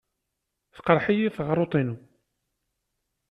Teqreḥ-iyi teɣruḍt-inu.